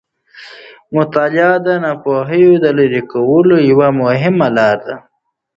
مطالعه د ناپوهي د لیرې کولو یوه مهمه لاره ده.